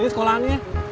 ini sekolahannya kok